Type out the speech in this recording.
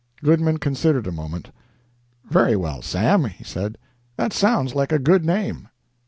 Goodman considered a moment. "Very well, Sam," he said, "that sounds like a good name."